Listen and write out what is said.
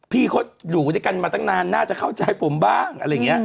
พี่เขาอยู่ด้วยกันมาตั้งนานน่าจะเข้าใจผมบ้าง